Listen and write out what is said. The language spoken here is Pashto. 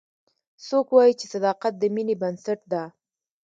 څوک وایي چې صداقت د مینې بنسټ ده